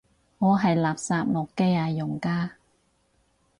我係垃圾諾基亞用家